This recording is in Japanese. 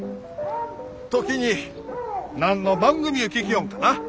時に何の番組ゅう聴きょんかな？